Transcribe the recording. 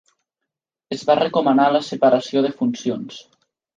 Es va recomanar la separació de funcions.